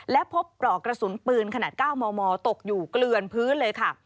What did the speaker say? และพบปลอกกระสุนปืนขนาด๙มมตกอยู่เกลือนพื้นเลยค่ะ